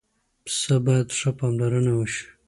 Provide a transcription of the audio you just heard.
پسه باید ښه پاملرنه وشي.